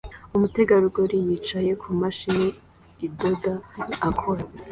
Umutegarugori yicaye kumashini idoda akora